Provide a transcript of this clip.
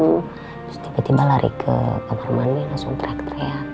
terus tiba tiba lari ke kamar mandi langsung teriak teriak